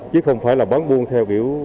chứ không phải là bán buôn theo kiểu